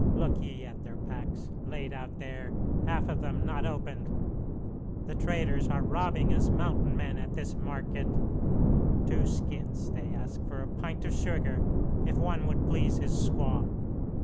Look ye at their packs, laid out there, half of them not opened! The traders are robbing us mountain men at this market. Two skins they ask for a pint of sugar, if one would please his squaw.